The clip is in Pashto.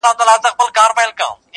• د خوبونو قافلې به دي لوټمه -